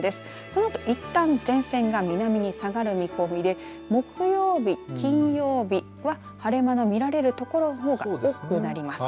そのあと、いったん前線が南に下がる見込みで木曜日、金曜日は晴れ間の見られる所の方が多くなります。